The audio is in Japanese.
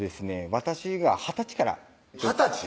私が二十歳から二十歳？